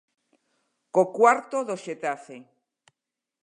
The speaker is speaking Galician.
Co cuarto do Xetafe.